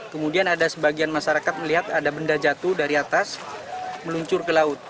kemudian ada sebagian masyarakat melihat ada benda jatuh dari atas meluncur ke laut